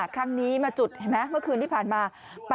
ครั้งนี้มาจุดเห็นไหมเมื่อคืนที่ผ่านมา